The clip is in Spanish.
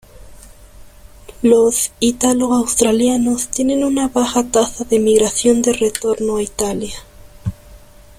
Los ítalo-australianos tienen una baja tasa de migración de retorno a Italia.